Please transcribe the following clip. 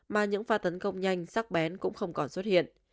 mà những pha tấn công nhanh sắc bén cũng không còn xuất hiện